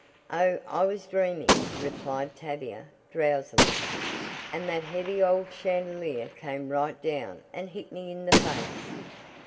"Oh, I was dreaming," replied Tavia drowsily, "and that heavy old chandelier came right down and hit me in the face."